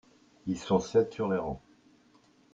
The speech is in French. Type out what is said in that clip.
ils sont sept sur les rangs.